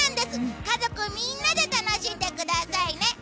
家族みんなで楽しんでくださいね！